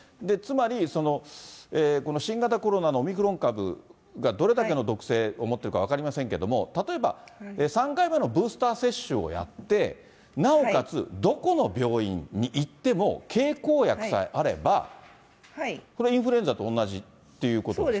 つまり、この新型コロナのオミクロン株がどれだけの毒性を持っているか分かりませんけれども、例えば、３回目のブースター接種をやって、なおかつ、どこの病院に行っても、経口薬さえあれば、これ、インフルエンザと同じということ？